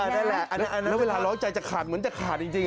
นั่นแหละอันนั้นเวลาร้องใจจะขาดเหมือนจะขาดจริง